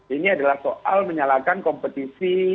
ini adalah soal menyalahkan kompetisi